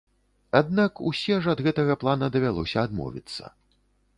Аднак усе ж ад гэтага плана давялося адмовіцца.